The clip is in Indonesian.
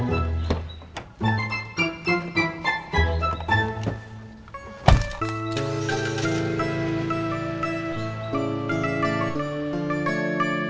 mari mas jono assalamualaikum